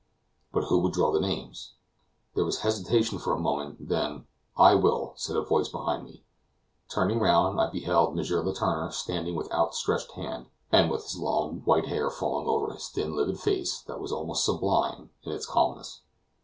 But who would draw the names? There was hesitation for a moment; then "I will," said a voice behind me. Turning round, I beheld M. Letourneur standing with outstretched hand, and with his long white hair falling over his thin livid face that was almost sublime in its calmness.